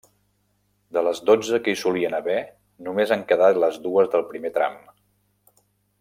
De les dotze que hi solien haver, només han quedat les dues del primer tram.